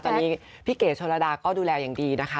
ตอนนี้พี่เก๋ชนระดาก็ดูแลอย่างดีนะคะ